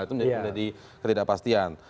itu menjadi ketidakpastian